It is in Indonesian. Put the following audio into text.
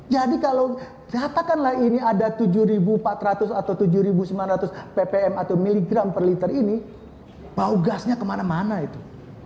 jadi kalau katakanlah ini ada tujuh empat ratus atau tujuh sembilan ratus ppm atau miligram per liter ini bau gasnya kemana mana itu